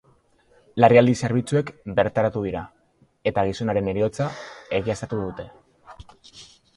Larrialdi zerbitzuek bertaratu dira, eta gizonaren heriotza egiaztatu dute.